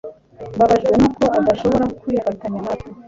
Mbabajwe nuko udashobora kwifatanya natwe